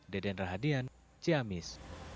deden rahadian ciamis